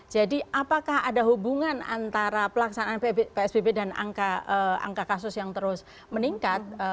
jadi apakah ada hubungan antara pelaksanaan psbb dan angka kasus yang terus meninggal